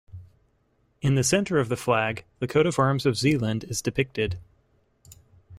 In the centre of the flag, the coat of arms of Zeeland is depicted.